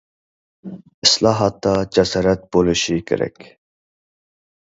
ئىسلاھاتتا جاسارەت بولۇشى كېرەك.